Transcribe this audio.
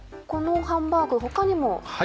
このハンバーグ他にも。